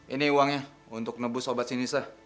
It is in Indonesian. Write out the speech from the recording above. ini uangnya untuk nebus sobat si nisa